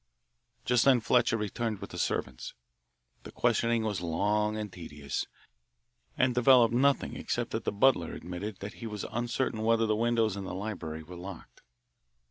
Just then Fletcher returned with the servants. The questioning was long and tedious, and developed nothing except that the butler admitted that he was uncertain whether the windows in the library were locked.